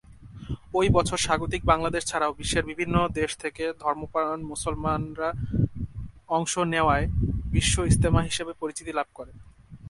ওই বছর স্বাগতিক বাংলাদেশ ছাড়াও বিশ্বের বিভিন্ন দেশ থেকে ধর্মপ্রাণ মুসলমানরা অংশ নেওয়ায় ‘বিশ্ব ইজতেমা’ হিসেবে পরিচিতি লাভ করে।